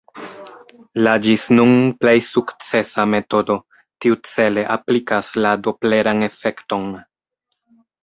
La ĝis nun plej sukcesa metodo tiucele aplikas la dopleran efekton.